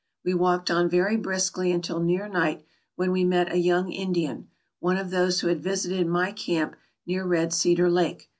We walked on very briskly until near night, when we met a young Indian, one of those who had visited my camp near Red Cedar Lake.